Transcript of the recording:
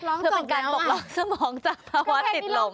เพื่อเป็นการปกลองสมองจากภาวะติดลม